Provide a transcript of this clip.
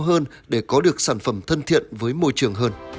hơn để có được sản phẩm thân thiện với môi trường hơn